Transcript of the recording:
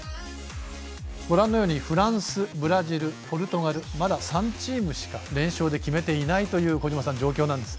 ご覧のようにフランス、ブラジルポルトガル、まだ３チームしか連勝で決めていないという状況なんです。